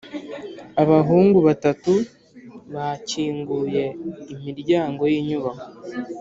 ] abahungu batatu bakinguye imiryango yinyubako.